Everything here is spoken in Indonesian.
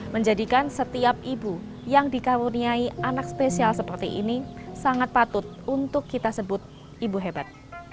menjadikan setiap ibu yang dikaruniai anak spesial seperti ini sangat patut untuk kita sebut ibu hebat